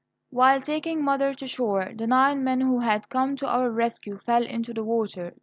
While taking mother to shore, the nine men who had come to our rescue fell into the water.